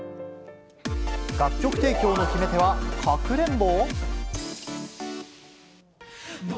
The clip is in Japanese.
楽曲提供の決め手は、かくれんぼ？